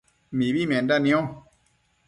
mibi menda nio